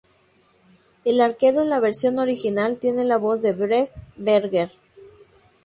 El Arquero en la versión original tiene la voz de Gregg Berger.